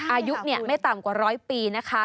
อายุไม่ต่ำกว่าร้อยปีนะคะ